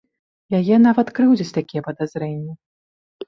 Яе нават крыўдзяць такія падазрэнні.